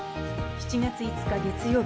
７月５日、月曜日。